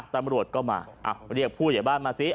ตำรวจก็มาเลือกผู้อย่างบ้านมาซิ